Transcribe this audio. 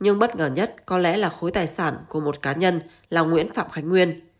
nhưng bất ngờ nhất có lẽ là khối tài sản của một cá nhân là nguyễn phạm khánh nguyên